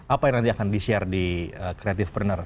apa yang nanti akan di share di creativepreneur